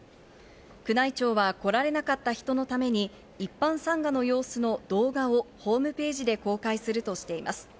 宮内庁は来られなかった人のために一般参賀の様子の動画をホームページで公開するとしています。